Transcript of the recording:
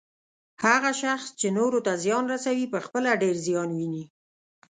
هغه شخص چې نورو ته زیان رسوي، پخپله ډیر زیان ويني